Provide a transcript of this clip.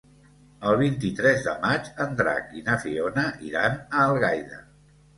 El vint-i-tres de maig en Drac i na Fiona iran a Algaida.